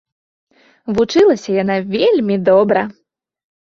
Вучылася яна вельмі добра.